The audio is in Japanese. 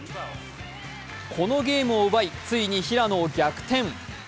このゲームを奪い、ついに平野を逆転。